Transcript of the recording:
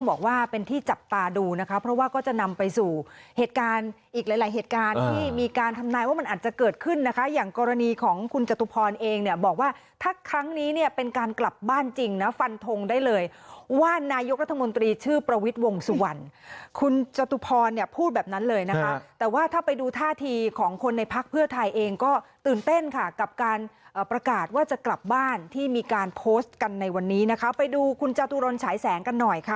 บอกว่าเป็นที่จับตาดูนะครับเพราะว่าก็จะนำไปสู่เหตุการณ์อีกหลายหลายเหตุการณ์ที่มีการทำนายว่ามันอาจจะเกิดขึ้นนะคะอย่างกรณีของคุณจตุพรเองเนี่ยบอกว่าถ้าครั้งนี้เนี่ยเป็นการกลับบ้านจริงนะฟันทงได้เลยว่านายกรัฐมนตรีชื่อประวิทย์วงสุวรรณคุณจตุพรเนี่ยพูดแบบนั้นเลยนะครับแต่ว่าถ้าไปดูท่า